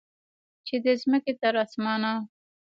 چې د مځکې تر اسمانه